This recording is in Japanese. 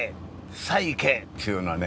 さあ行け！っていうようなね